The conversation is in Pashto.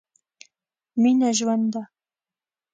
مينه ژوند ده.